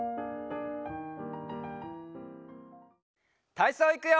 たいそういくよ！